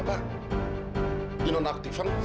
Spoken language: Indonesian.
kita tapi katanya bagaimanalah aktif sementara